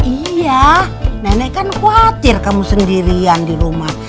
iya nenek kan khawatir kamu sendirian di rumah